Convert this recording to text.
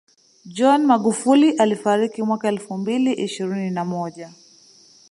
John Magufuli alifariki mwaka elfu mbili ishirini na moja